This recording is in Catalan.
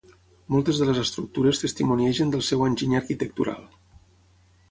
Moltes de les estructures testimoniegen del seu enginy arquitectural.